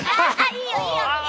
いいよいいよ！